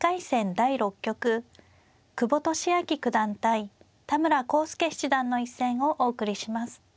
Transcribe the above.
第６局久保利明九段対田村康介七段の一戦をお送りします。